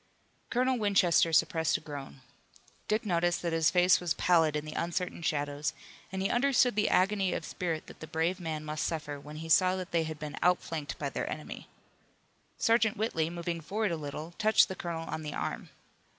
Colonel Winchester suppressed a groan. Dick noticed that his face was pallid in the uncertain shadows, and he understood the agony of spirit that the brave man must suffer when he saw that they had been outflanked by their enemy. Sergeant Whitley, moving forward a little, touched the colonel on the arm.